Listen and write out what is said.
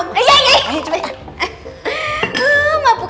hai ibu pasti bersama calon mertua dan